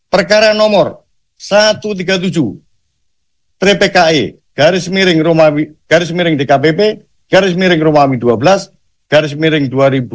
perkara nomor satu ratus tiga puluh tujuh tpki garis miring dkpp garis miring romawi dua belas garis miring dua ribu dua puluh